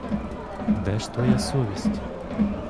Де ж твоя совість?!